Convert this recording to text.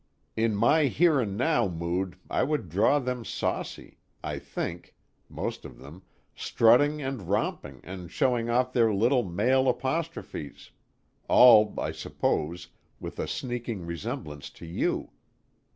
In my here and now mood I would draw them saucy, I think (most of them), strutting and romping and showing off their little male apostrophes all, I suppose, with a sneaking resemblance to you.